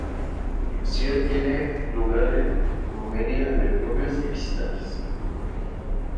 Lucía, tiene lugar una romería de propios y visitantes.